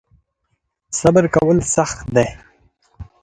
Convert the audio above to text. صبر کول سخت دی .